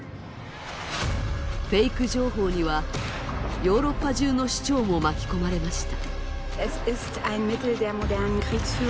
フェイク情報にはヨーロッパ中の市長も巻き込まれました。